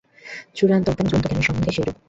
চূড়ান্ত অজ্ঞান ও চূড়ান্ত জ্ঞানের সম্বন্ধেও সেইরূপ।